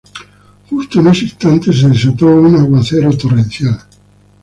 Justo en ese instante se desató un aguacero torrencial.